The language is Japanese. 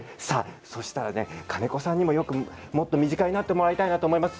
そうしましたら金子さんにももっと身近になってもらいたいと思います。